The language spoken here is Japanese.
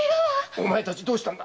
お前たちどうした？